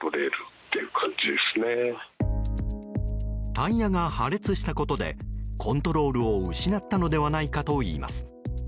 タイヤが破裂したことでコントロールを失ったのではないかといいます。